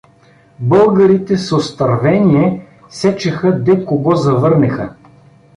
Българите с остървение сечеха де кого завърнеха.